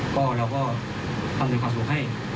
ก็เราก็อำนวยความสุขให้